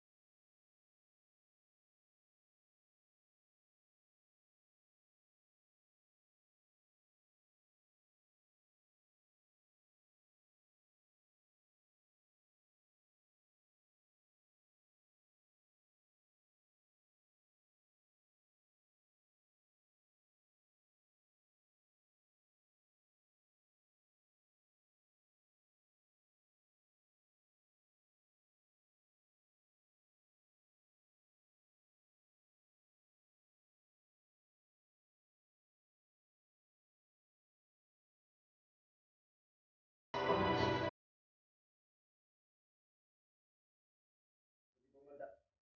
semua teman nam locomotif kita